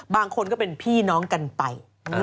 บางคนก็เป็นพี่น้องกันไป